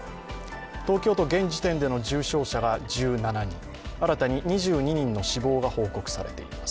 東京都、現時点での重症者が１７人新たに２２人の死亡が報告されています。